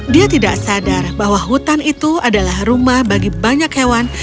dia tidak sadar bahwa hutan itu adalah rumah bagi banyak hewan